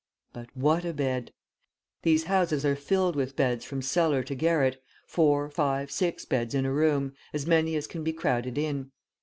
But what a bed! These houses are filled with beds from cellar to garret, four, five, six beds in a room; as many as can be crowded in.